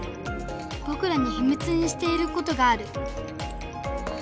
ぼくらにひみつにしていることがある。